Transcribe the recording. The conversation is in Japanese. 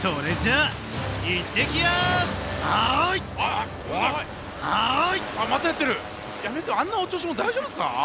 あんなお調子者大丈夫ですか？